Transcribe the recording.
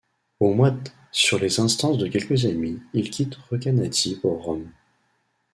Au mois d', sur les instances de quelques amis, il quitte Recanati pour Rome.